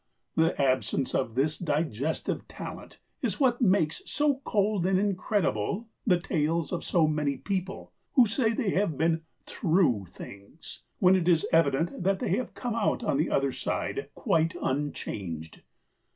The absence of this digestive talent is what makes so cold and incredible the tales of so many people who say they have been "through" things; when it is evident that they have come out on the other side quite unchanged.